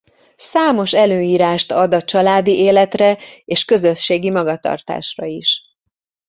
Számos előírást ad a családi életre és közösségi magatartásra is.